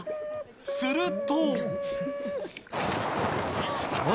すると。